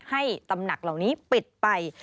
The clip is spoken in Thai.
ตำหนักเหล่านี้ปิดไป